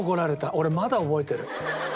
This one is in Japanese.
俺まだ覚えてる。